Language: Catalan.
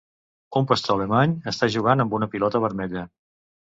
Un pastor alemany està jugant amb una pilota vermella.